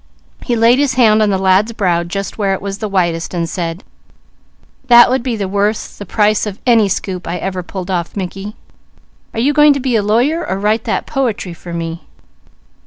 He laid his hand on the lad's brow and said: "That would be worth the price of any scoop I ever pulled off, Mickey. Are you going to be a lawyer or write that poetry for me?"